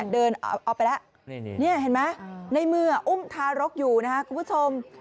เดินเอาไปแล้วนี่เห็นไหมในเมื่ออุ้มทารกอยู่นะครับคุณผู้ชม